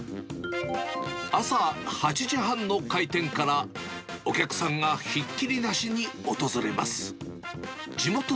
朝８時半の開店から、お客さんがひっきりなしに訪れます。